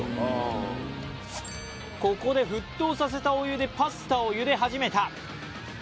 ここで沸騰させたお湯でパスタをゆで始めた。